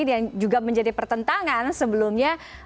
yang juga menjadi pertentangan sebelumnya